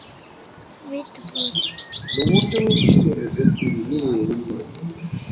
Nuburyo nica inyoni ebyiri nibuye rimwe